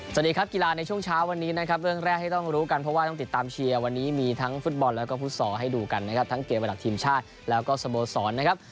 สวัสดีครับกีฬาในช่วงเช้าวันนี้นะครับเรื่องแรกที่ต้องรู้กันเพราะว่าต้องติดตามเชียร์วันนี้มีทั้งฟุตบอลแล้วก็ฟุตซอลให้ดูกันนะครับทั้งเกมเวลาทีมชาติแล้วก็สโมสรนะครับ